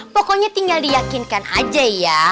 pokoknya tinggal diyakinkan aja ya